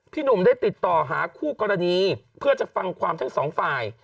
หนุ่มได้ติดต่อหาคู่กรณีเพื่อจะฟังความทั้งสองฝ่าย